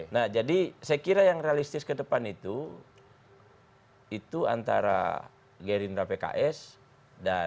nah jadi saya kira yang realistis ke depan itu itu antara gerindra pks dan